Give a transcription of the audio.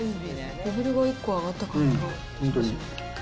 レベルが１個上がった感じが本当に。